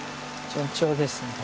順調ですね。